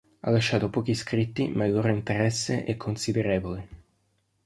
Ha lasciato pochi scritti ma il loro interesse è considerevole.